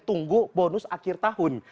tunggu bonus akhir tahun